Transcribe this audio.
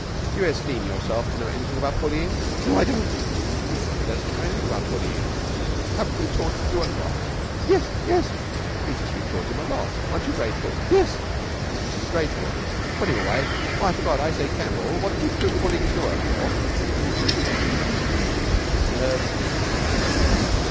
Do you esteem yourself to know anything about bullyin'?" "No, I don't!" "He says he doesn't know anything about bullyin'. Haven't we taught you a lot?" "Yes yes!" "He says we've taught him a lot. Aren't you grateful?" "Yes!" "He says he is grateful. Put him away. Oh, I forgot! I say, Campbell, what did you bully Clewer for?" He wept anew; his nerves being raw.